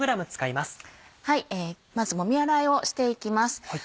まずもみ洗いをしていきます。